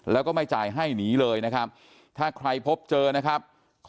แล้วก็ไม่จ่ายให้หนีเลยนะครับ